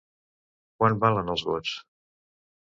Quant valen els vots?